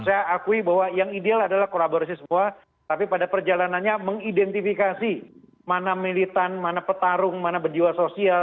saya akui bahwa yang ideal adalah kolaborasi semua tapi pada perjalanannya mengidentifikasi mana militan mana petarung mana berjiwa sosial